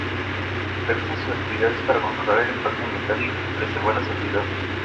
Revisan sus actividades para controlar el impacto ambiental y preservar la seguridad.